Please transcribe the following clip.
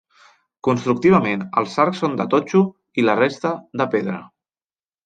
Constructivament, els arcs són de totxo i la resta, de pedra.